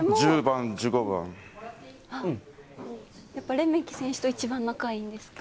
レメキ選手と一番仲いいんですか？